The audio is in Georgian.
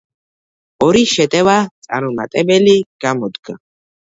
ორი შეტევა წარუმატებელი გამოდგა.